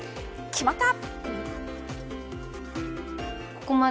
決まった！